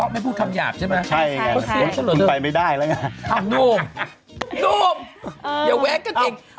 ไม่พูดคำหยาบใช่ไหมไปไม่ได้แล้วอ้าวนุ่มนุ่มอย่าแวะกระติก